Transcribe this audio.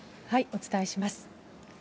お伝えします。